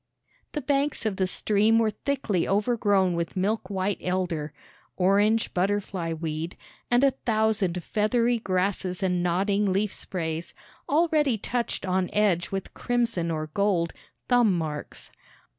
The banks of the stream were thickly overgrown with milk white elder, orange butterfly weed, and a thousand feathery grasses and nodding leaf sprays, already touched on edge with crimson or gold "thumb marks."